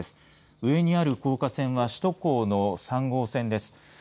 上にある高架線は首都高の３号線ですね。